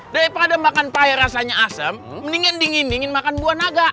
daripada makan payah rasanya asem mendingin dingin dingin makan buah naga